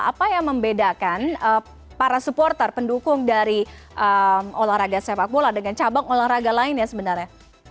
apa yang membedakan para supporter pendukung dari olahraga sepak bola dengan cabang olahraga lain ya sebenarnya